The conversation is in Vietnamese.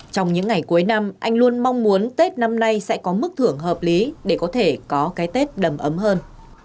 trong những ngày cuối năm anh luôn mong muốn tết năm nay sẽ có mức thưởng hợp lý để có thể có cái tết đầm ấm hơn